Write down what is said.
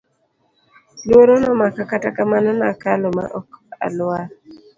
Luoro nomaka kata kamano nakalo ma ok alwar.